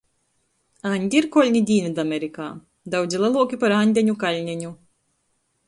Andi ir kolni Dīnvydamerikā, daudzi leluoki par Aņdeņu kaļneņu.